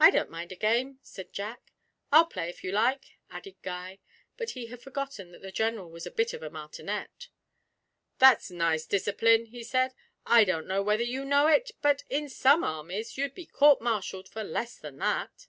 'I don't mind a game,' said Jack. 'I'll play, if you like,' added Guy; but he had forgotten that the General was a bit of a martinet. 'That's nice discipline,' he said. 'I don't know whether you know it; but in some armies you'd be court martialled for less than that.'